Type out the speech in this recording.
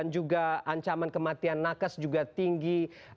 juga ancaman kematian nakes juga tinggi